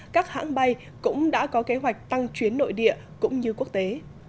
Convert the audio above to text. các hãng bay cũng đã có kế hoạch tăng chuyến nội địa cũng như quốc tế